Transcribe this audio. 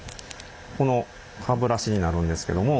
この歯ブラシになるんですけども。